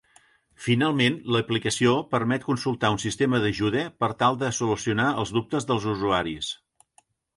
Finalment, l'aplicació permet consultar un sistema d'ajuda per tal de solucionar els dubtes dels usuaris.